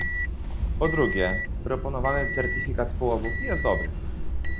Po drugie, proponowany certyfikat połowów jest dobry